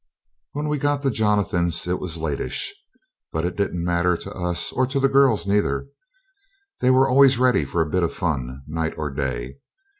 When we got to Jonathan's it was latish, but that didn't matter to us or to the girls neither; they were always ready for a bit of fun, night or day.